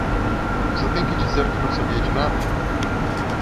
Você tem que dizer que não sabia de nada?